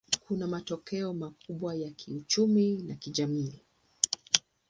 Kuna matokeo makubwa ya kiuchumi na kijamii.